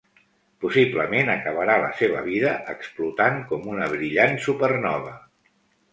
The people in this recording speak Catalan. Possiblement acabarà la seva vida explotant com una brillant supernova.